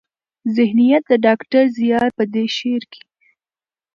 ذهنيت د ډاکټر زيار په دې شعر کې